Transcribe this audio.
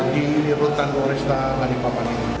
di rutan poresa balikpapan